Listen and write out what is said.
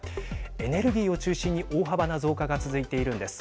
エネルギーを中心に大幅な増加が続いているんです。